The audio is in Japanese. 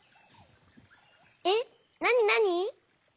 えっなになに？